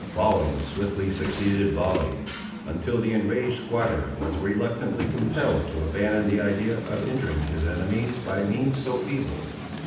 Volley swiftly succeeded volley, until the enraged squatter was reluctantly compelled to abandon the idea of injuring his enemies by means so feeble.